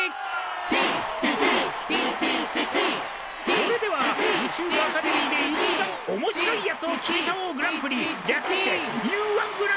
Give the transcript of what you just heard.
それでは「宇宙アカデミーで一番おもしろいやつを決めちゃおうグランプリ」略してＵ−１グランプリの。